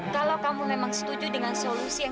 sampai jumpa di video selanjutnya